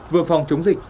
vừa phòng chống dịch